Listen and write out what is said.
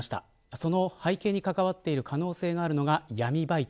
その背景に関わっている可能性があるのが闇バイト。